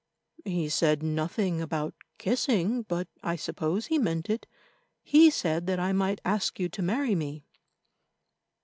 "He said nothing about kissing, but I suppose he meant it. He said that I might ask you to marry me."